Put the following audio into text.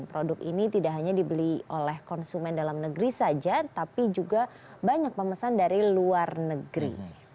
produk ini tidak hanya dibeli oleh konsumen dalam negeri saja tapi juga banyak pemesan dari luar negeri